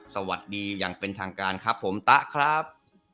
สวัสดีอย่างเป็นทางการครับผมตะครับ